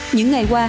những ngày qua